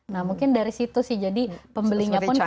nah mungkin dari situ sih jadi pembelinya pun